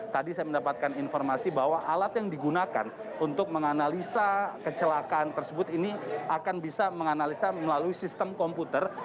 tadi saya mendapatkan informasi bahwa alat yang digunakan untuk menganalisa kecelakaan tersebut ini akan bisa menganalisa melalui sistem komputer